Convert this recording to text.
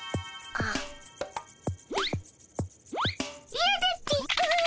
いやだっピィ。